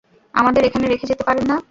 আমাদের এখানে রেখে যেতে পারেন না।